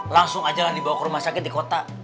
langsung aja lah dibawa ke rumah sakit di kota